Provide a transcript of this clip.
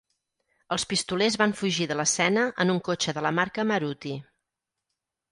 Els pistolers van fugir de l'escena en un cotxe de la marca Maruti.